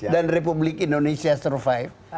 dan republik indonesia survive